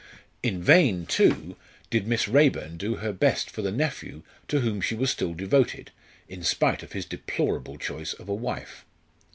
In vain, too, did Miss Raeburn do her best for the nephew to whom she was still devoted, in spite of his deplorable choice of a wife.